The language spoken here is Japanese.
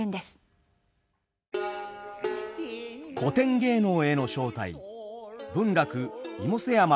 「古典芸能への招待」。